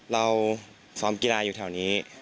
ซ้ำกีฬาอยู่แถวนี้